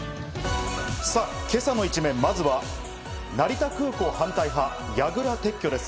今朝の一面、まずは成田空港反対派、やぐら撤去です。